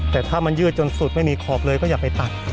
แต่ถ้ามันยืดจนสุดไม่มีขอบเลยก็อย่าไปตัด